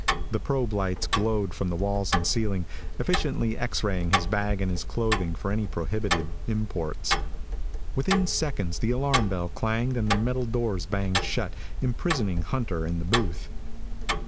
The probe lights glowed from the walls and ceiling, efficiently X raying his bag and his clothing for any prohibited imports. Within seconds the alarm bell clanged and the metal doors banged shut, imprisoning Hunter in the booth.